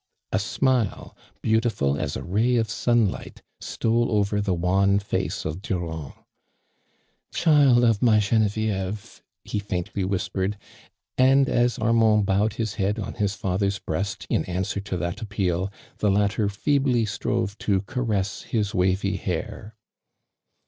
a smile, beautiful as a ray of sunlight, stole over the wan face of Durand. " Child of my Genevieve !" he faintly whispereci, and as Armand bowed his head on his favher's breast, in answer to that ap peal, the latter feebly strove to caress his wavy hair.